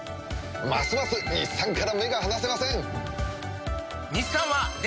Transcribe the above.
ますます日産から目が離せません！